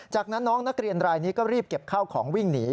จากนั้นน้องนักเรียนรายนี้ก็รีบเก็บข้าวของวิ่งหนี